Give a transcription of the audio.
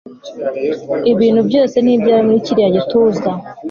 Ibintu byose ni ibyawe muri kiriya gituza